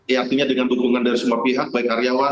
yang artinya dengan dukungan dari semua pihak baik karyawan